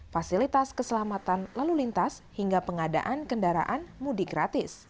fasilitas keselamatan lalu lintas hingga pengadaan kendaraan mudik gratis